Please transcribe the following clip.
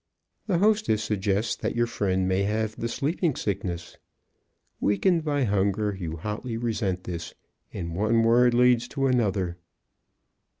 The hostess suggests that your friend may have the sleeping sickness. Weakened by hunger, you hotly resent this, and one word leads to another.